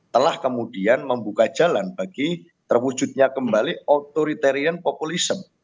telah kemudian membuka jalan bagi terwujudnya kembali authoritarian populism